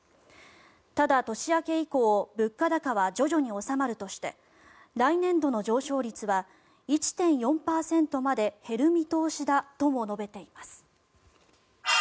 ただ、年明け以降物価高は徐々に収まるとして来年度の上昇率は１．４％まで減る見通しだとも述べています。